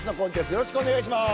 よろしくお願いします。